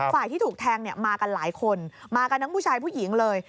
ฝ่ายที่ถูกแทงมากันหลายคนมากันทั้งผู้ชายผู้หญิงเลย